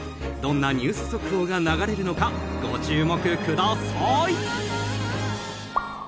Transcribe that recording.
［どんなニュース速報が流れるのかご注目ください］